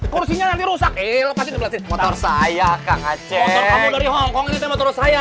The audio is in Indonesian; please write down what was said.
kursinya nanti rusak lepas motor saya akan ngacek kamu dari hongkong itu motor saya